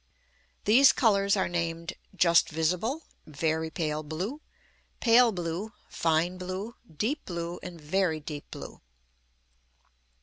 These colours are named "just visible," "very pale blue," "pale blue," "fine blue," "deep blue," and "very deep blue."